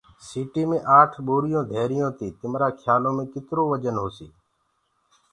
سيٚٽينٚ مي آٺ ٻوريٚونٚ ڌيريٚونٚ تيٚ تمرآ کيآلو مي ڪترو وجن هوسيٚ